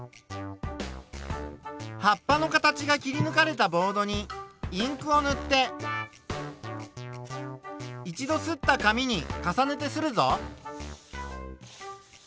葉っぱの形が切りぬかれたボードにインクをぬって一度すった紙に重ねてするぞ。